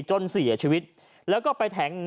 จนเสียชีวิตแล้วก็ไปแทง